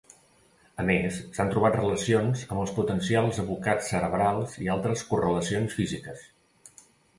A més, s’han trobat relacions amb els potencials evocats cerebrals i altres correlacions físiques.